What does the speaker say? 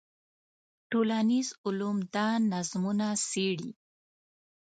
ټولنیز علوم دا نظمونه څېړي.